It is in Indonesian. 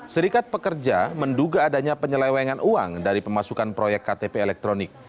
serikat pekerja menduga adanya penyelewengan uang dari pemasukan proyek ktp elektronik